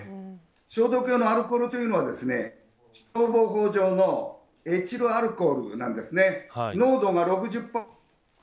消毒用のアルコールというのは消防法上のエチルアルコールなんですね。